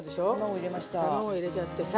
卵入れちゃってさ。